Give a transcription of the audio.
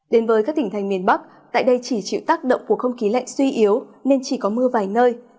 đến với các tỉnh thành miền bắc tại đây chỉ chịu tác động của không khí lạnh suy yếu nên chỉ có mưa vài nơi